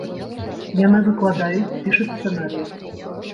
Яны выкладаюць, пішуць сцэнарыі.